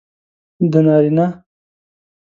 د نارینه